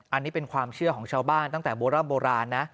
อันนี้เป็นความเชื่อของชาวบ้านตั้งแต่โบร่ำโบราณนะ